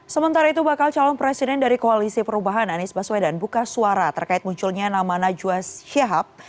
sementara itu bakal calon presiden dari koalisi perubahan anies baswedan buka suara terkait munculnya nama najwa syahab